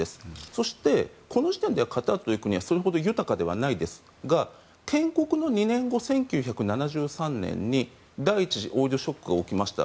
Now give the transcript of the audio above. そして、この時点ではカタールという国はそれほど豊かではないですが建国の２年後、１９７３年に第１次オイルショックが起きました。